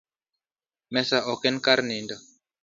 Mesa ok en kar nindo